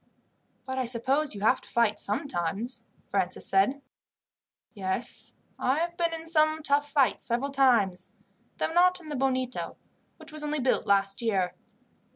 "But I suppose you have to fight sometimes?" Francis asked. "Yes, I have been in some tough fights several times, though not in the Bonito, which was only built last year.